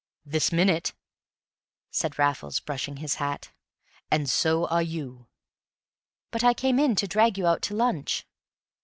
"This minute," said Raffles, brushing his hat; "and so are you." "But I came in to drag you out to lunch."